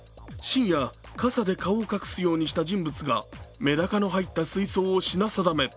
深夜、傘で顔を隠すようにした人物がめだかの入った水槽を品定め。